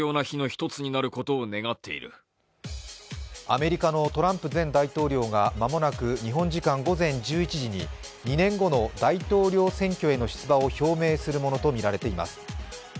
アメリカのトランプ前大統領が間もなく日本時間午前１１時に２年後の大統領選挙への出馬を表明するものとみられています。